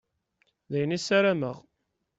D ayen i ssarameɣ.